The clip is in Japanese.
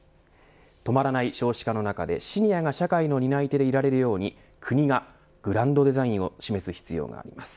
止まらない少子化の中でシニアが社会の担い手でいられるように国がグランドデザインを示す必要があります。